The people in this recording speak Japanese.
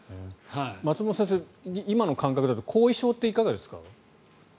松本先生、今の感覚だと後遺症っていかがですか？